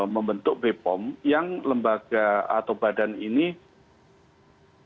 membentuk bepom yang lembaga atau badannya